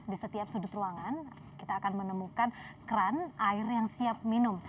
di setiap sudut ruangan kita akan menemukan kran air yang siap minum